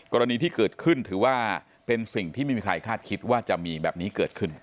กรณีที่เกิดขึ้นถือว่าเป็นสิ่งที่ไม่มีใครคาดคิดว่าจะมีแบบนี้เกิดขึ้น